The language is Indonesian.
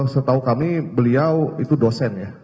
setahu kami beliau itu dosen ya